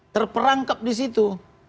terperangkap di situ